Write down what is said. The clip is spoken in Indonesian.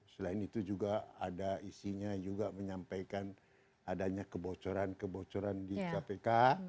selain itu juga ada isinya juga menyampaikan adanya kebocoran kebocoran di kpk